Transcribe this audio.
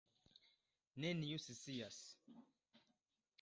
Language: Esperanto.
Neniu scias.